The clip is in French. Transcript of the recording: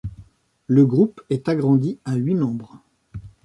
Le groupe est agrandi à huit membres.